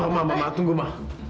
ma mama tunggu ma